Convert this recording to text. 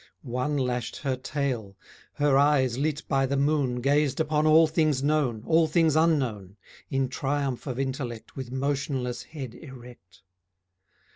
One lashed her tail; her eyes lit by the moon Gazed upon all things known, all things unknown, In triumph of intellect With motionless head erect.